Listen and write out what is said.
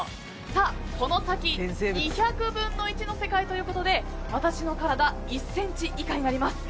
この先２００分の１の世界ということで私の体、１ｃｍ以下になります。